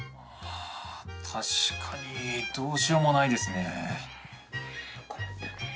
ああ確かにどうしようもないですね